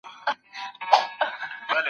مګر اوس نوی دور نوی فکر نوی افغان